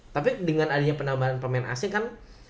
tapi dengan adanya penambahan pemain asing kan